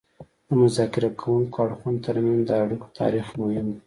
د مذاکره کوونکو اړخونو ترمنځ د اړیکو تاریخ مهم دی